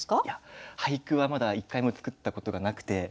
いや俳句はまだ１回も作ったことがなくて。